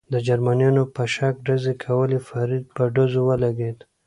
د جرمنیانو په شک ډزې کولې، فرید په ډزو ولګېد.